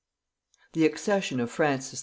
The accession of Francis II.